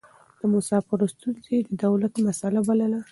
د مسافرو ستونزې يې د دولت مسئله بلله.